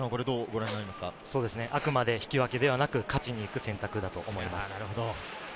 あくまで引き分けではなく勝ちに行く選択だと思います。